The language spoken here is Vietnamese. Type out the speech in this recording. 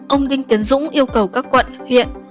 ông đinh tiến dũng yêu cầu các quận huyện